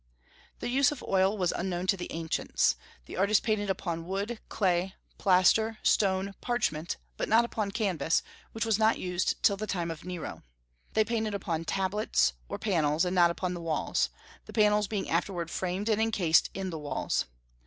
The use of oil was unknown to the ancients. The artists painted upon wood, clay, plaster, stone, parchment, but not upon canvas, which was not used till the time of Nero. They painted upon tablets or panels, and not upon the walls, the panels being afterward framed and encased in the walls.